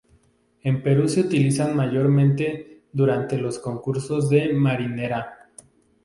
En Perú se utilizan mayormente durante los concursos de Marinera.